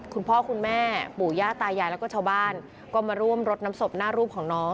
คุณพ่อคุณแม่ปู่ย่าตายายแล้วก็ชาวบ้านก็มาร่วมรดน้ำศพหน้ารูปของน้อง